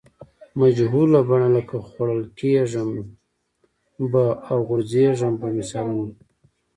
مجهول بڼه لکه خوړل کیږم به او غورځېږم به مثالونه دي.